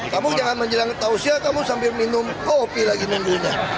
kamu jangan menjelang tausia kamu sambil minum kopi lagi nunggunya